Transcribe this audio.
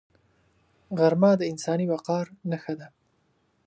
غرمه د انساني وقار نښه ده